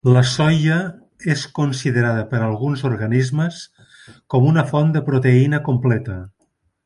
La soia és considerada per alguns organismes com una font de proteïna completa.